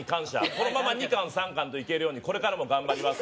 「このまま２巻３巻といけるようにこれからもがんばります」